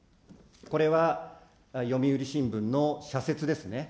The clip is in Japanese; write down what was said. これは読売新聞の社説ですね。